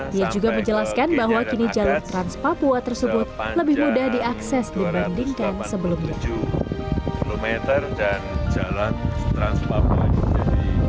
dia juga menjelaskan bahwa kini jalur trans papua tersebut lebih mudah diakses dibandingkan sebelumnya